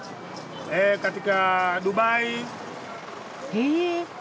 へえ。